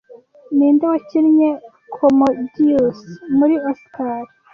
Ninde wakinnye Commodious muri Oscar